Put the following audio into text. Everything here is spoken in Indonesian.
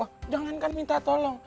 wah jangan kan minta tolong